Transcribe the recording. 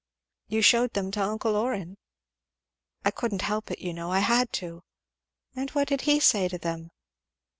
"You shewed them to uncle Orrin?" "Couldn't help it, you know. I had to." "And what did he say to them?"